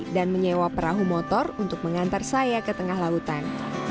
menyewa perahu motor untuk mengantar saya ke tengah lautan